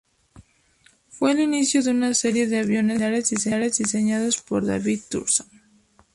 Fue el inicio de una serie de aviones muy similares diseñados por David Thurston.